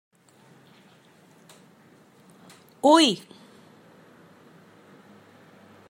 Ui!